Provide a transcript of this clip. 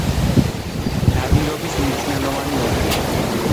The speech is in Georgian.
ნადირობის მნიშვნელოვანი ობიექტია.